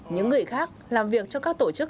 những người khác làm việc cho các tổ chức